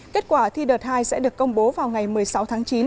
kết quả thi đợt hai sẽ được công bố vào ngày một mươi sáu tháng chín